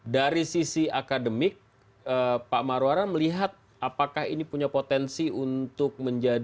dari sisi akademik pak marwara melihat apakah ini punya potensi untuk menjadi